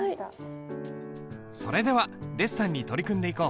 それではデッサンに取り組んでいこう。